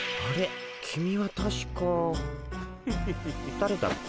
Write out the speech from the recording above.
だれだっけ？